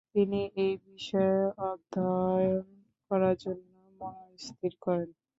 তিনি এই বিষয়ে অধ্যয়ন করার জন্য মনস্থির করেন।